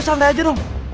lo santai aja dong